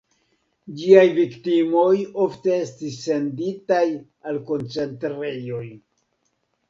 Ĝiaj viktimoj ofte estis senditaj al koncentrejoj.